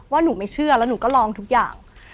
หนูไม่เชื่อแล้วหนูก็ลองทุกอย่าง